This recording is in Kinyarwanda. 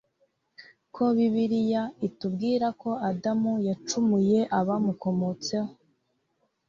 Ko bibiriya itubwirako adamu yacumuye abamukomotseho